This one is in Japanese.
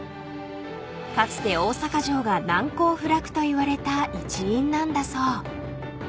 かつて大阪城が難攻不落といわれた一因なんだそう］